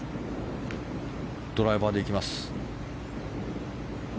ドライバーでいきます。